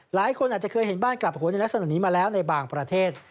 หลายคนอาจจะเคยเห็นบ้านกลับหัวในลักษณะนี้มาแล้วในบางประเทศ